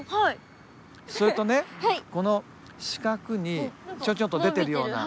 それとねこの四角にちょんちょんと出てるような。